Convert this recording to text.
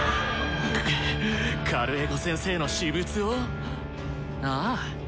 カルエゴ先生の私物を⁉ああ。